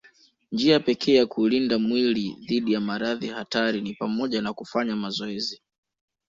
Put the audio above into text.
Njia pekee ya kuulinda mwili dhidi ya maradhi hatari ni pamoja na kufanya mazoezi